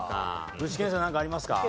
具志堅さんなんかありますか？